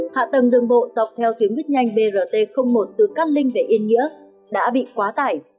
hạ tầng đường bộ dọc theo tuyến buýt nhanh brt một từ cát linh về yên nghĩa đã bị quá tải